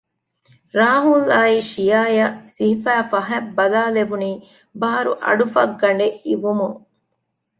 ރާހުލް އާއި ޝިޔާއަށް ސިހިފައި ފަހަތް ބަލާލެވުނީ ބާރު އަޑުފައްގަނޑެއް އިވުމުން